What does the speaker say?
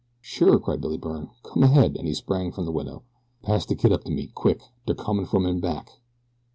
"Sure!" cried Billy Byrne. "Come ahead," and he sprang for the window. "Pass de kid up to me. Quick! Dey're comin' from in back."